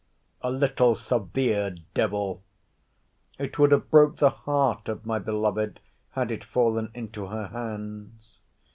A little severe devil!—It would have broken the heart of my beloved, had it fallen into her hands.